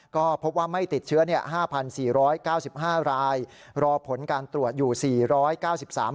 ก็พบว่าไม่ติดเชื้อ๕๔๙๕รายรอผลการตรวจอยู่๔๙๓ราย